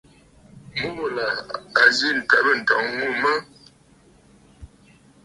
Mû ghù là à zî ǹtwɛ̀bə̂ ǹtɔ̀ŋ ŋù mə̀.